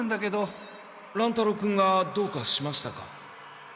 乱太郎君がどうかしましたか？